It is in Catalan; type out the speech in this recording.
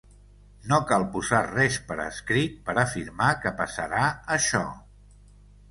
No cal posar res per escrit per afirmar que passarà això.